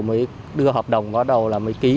mới đưa hợp đồng bắt đầu là mới ký